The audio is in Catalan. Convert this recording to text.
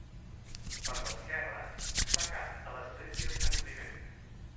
Per l'esquerra es fa cap a l'església de Sant Climent.